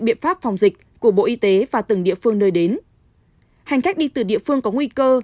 biện pháp phòng dịch của bộ y tế và từng địa phương nơi đến hành khách đi từ địa phương có nguy cơ